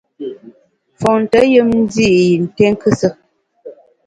Fonte yùm ndi’ yi nté nkusù.